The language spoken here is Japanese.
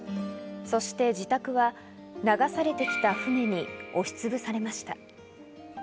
そして自宅は流されてきた船に押しつぶされました。